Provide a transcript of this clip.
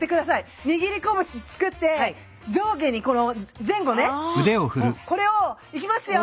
握り拳作って上下にこの前後ねこれをいきますよ！